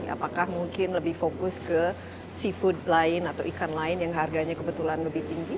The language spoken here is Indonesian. apakah mungkin lebih fokus ke seafood lain atau ikan lain yang harganya kebetulan lebih tinggi